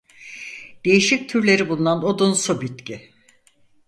Değişik türleri bulunan odunsu bitki.